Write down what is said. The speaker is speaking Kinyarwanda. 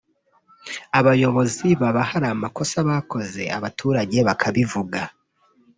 abayobozi baba hari amakosa bakoze abaturage bakabivuga